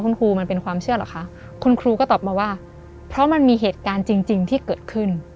คุณครูมันเป็นความเชื่อเหรอคะคุณครูก็ตอบมาว่าเพราะมันมีเหตุการณ์จริงที่เกิดขึ้น